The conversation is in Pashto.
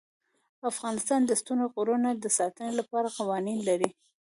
افغانستان د ستوني غرونه د ساتنې لپاره قوانین لري.